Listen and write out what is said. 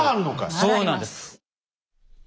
そうなんです。